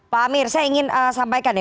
pak amir saya ingin sampaikan nih